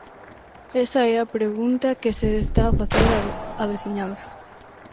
Esa é a pregunta que se está a facer a veciñanza.